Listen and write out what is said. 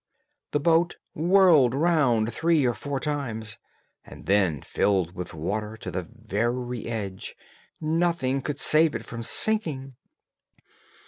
The boat whirled round three or four times, and then filled with water to the very edge; nothing could save it from sinking.